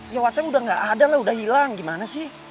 ya whatsapp udah gak ada lah udah hilang gimana sih